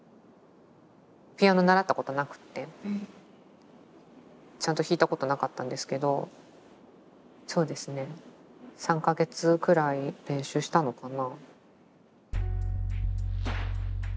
ピアノ習ったことなくてちゃんと弾いたことなかったんですけどそうですね３か月くらい練習したのかな。